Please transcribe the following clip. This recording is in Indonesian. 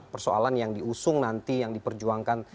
persoalan yang diusung nanti yang diperjuangkan